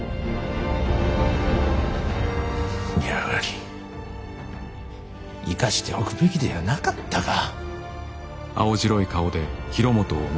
やはり生かしておくべきではなかったか。